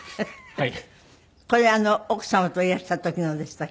はい。